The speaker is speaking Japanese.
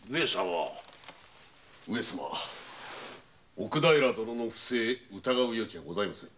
奥平殿の不正疑う余地はございませぬ。